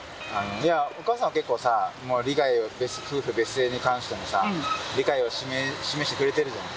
お母さんは結構さ夫婦別姓に関してのさ理解を示してくれてるじゃん。